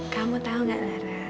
kamu tau nggak lara